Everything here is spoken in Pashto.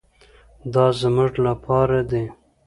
دا زموږ لپاره دي.